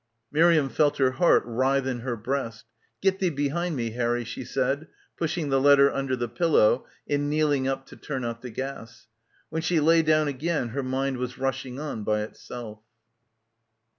Miriam felt her heart writhe in her breast. "Get thee behind me, Harry," she said, pushing the letter under the pillow and kneeling up to turn out <the gas. When she lay down again her mind was rushing on by itself.